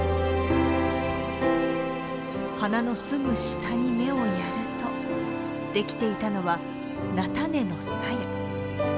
花のすぐ下に目をやるとできていたのは菜種のさや。